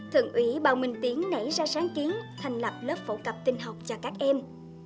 thượng ủy bao minh tiến nảy ra sáng kiến thành lập lớp phẫu cập tinh học cho các em